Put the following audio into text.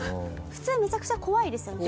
普通めちゃくちゃ怖いですよね。